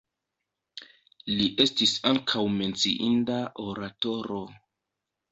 Li estis ankaŭ menciinda oratoro.